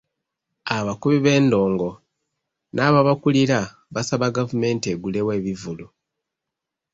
Abakubi b'endongo n'ababakulira basaba gavumenti eggulewo ebivvulu.